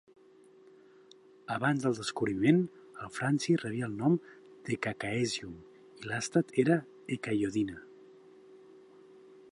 Abans del descobriment, el franci rebia el nom d""eka-caesium" i l"àstat era "eka-iodine".